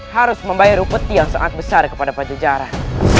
harus membayar upeti yang sangat besar kepada pajejaran